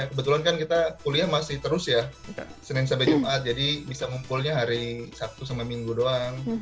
kebetulan kan kita kuliah masih terus ya senin sampai jumat jadi bisa ngumpulnya hari sabtu sama minggu doang